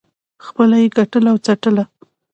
خپله یې ګټله او څټله.